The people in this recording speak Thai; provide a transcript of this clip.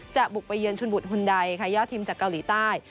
บุกไปเยือนชุนบุตรหุ่นใดค่ะยอดทีมจากเกาหลีใต้